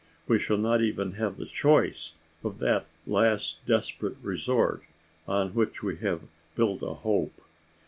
We shall not even have the choice of that last desperate resort, on which we have built a hope.